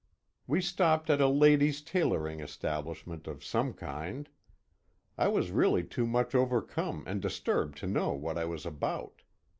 We stopped at a ladies' tailoring establishment of some kind. I was really too much overcome and disturbed to know what I was about.